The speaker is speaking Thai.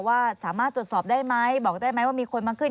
ว่าสามารถตรวจสอบได้ไหมบอกได้ไหมว่ามีคนมาขึ้น